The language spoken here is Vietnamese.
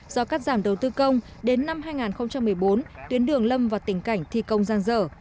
do các giảm đầu tư công đến năm hai nghìn một mươi bốn tuyến đường lâm vào tỉnh cảnh thi công giang dở